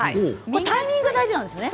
タイミングが大事なんですね。